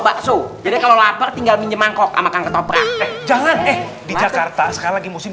bakso jadi kalau lapar tinggal minjem angkot makan ke toprak jalan eh di jakarta sekali lagi musim